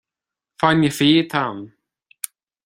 Fáinne fí atá ann.